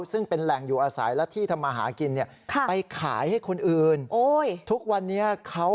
ซึ่งเป็นแหล่งอยู่อาศัยและที่ทำอาหากินเนี่ย